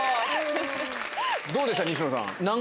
どうでした、西野さん。